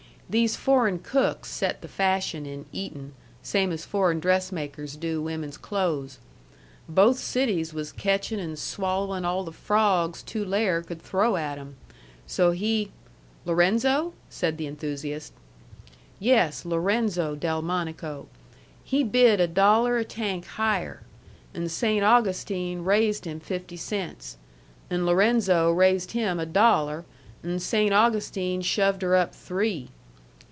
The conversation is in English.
These foreign cooks set the fashion in eatin', same as foreign dressmakers do women's clothes. Both cities was catchin' and swallowin' all the frawgs Tulare could throw at 'em. So he " "Lorenzo?" said the enthusiast. "Yes, Lorenzo Delmonico. He bid a dollar a tank higher. An' Saynt Augustine raised him fifty cents. An' Lorenzo raised him a dollar. An' Saynt Augustine shoved her up three.